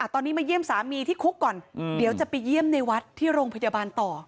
ตอนนี้มาเยี่ยมสามีที่คุกก่อนเดี๋ยวจะไปเยี่ยมในวัดที่โรงพยาบาลต่อ